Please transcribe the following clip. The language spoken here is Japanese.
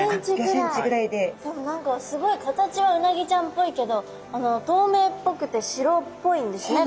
でも何かすごい形はうなぎちゃんっぽいけどとうめいっぽくて白っぽいんですね